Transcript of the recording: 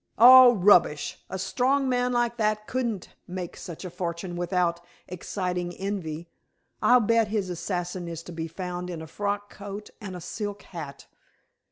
"Oh, rubbish. A strong man like that couldn't make such a fortune without exciting envy. I'll bet that his assassin is to be found in a frock coat and a silk hat.